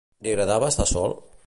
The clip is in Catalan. Li agradava estar sol?